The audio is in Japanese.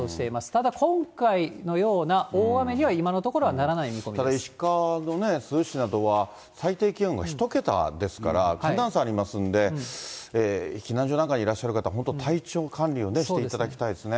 ただ、今回のような大雨には、ただ石川もね、珠洲市などでは最低気温が１桁ですから、寒暖差ありますんで、避難所なんかにいらっしゃる方、本当体調管理をしていただきたいですね。